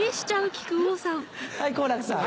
はい好楽さん。